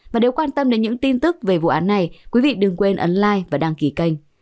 và nếu quan tâm đến những tin tức về vụ án này quý vị đừng quên ấn lai và đăng ký kênh